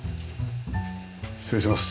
失礼します。